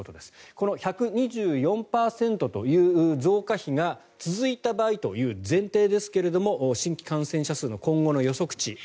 この１２４％という増加比が続いた場合という前提ですが新規感染者数の今後の予測値。